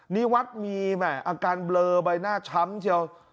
นี่วัดมีอาการเบลอใบหน้าช้ำเชียว